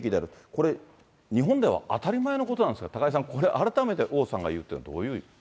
これ、日本では当たり前のことなんですが、高井さん、これ、改めて王さんが言うっていうのはどういう。